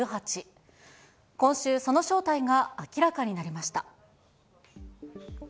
今週、その正体が明らかになりました。